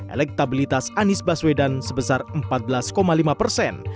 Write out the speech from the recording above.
elektabilitas anies baswedan sebesar empat belas lima persen